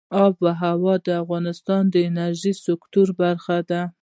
آب وهوا د افغانستان د انرژۍ د سکتور برخه ده.